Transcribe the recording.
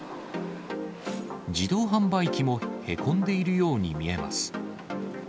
自動販売機もへこんでいるように見えます。